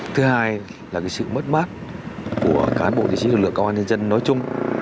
thứ hai là cái sự mất mát của cán bộ lịch sử lực lượng công an lâm đồng nói chung